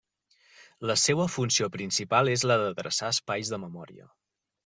La seua funció principal és la d'adreçar espais de memòria.